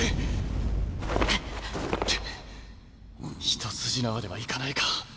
ひと筋縄ではいかないか。